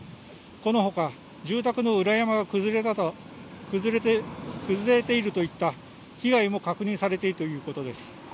このほか住宅の裏山が崩れているといった被害も確認されているということです。